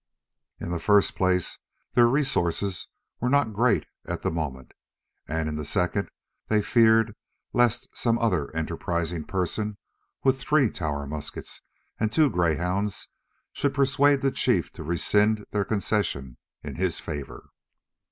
In the first place, their resources were not great at the moment; and in the second, they feared lest some other enterprising person with three Tower muskets and two grey hounds should persuade the chief to rescind their concession in his favour.